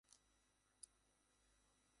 এসব কী করছ তুমি?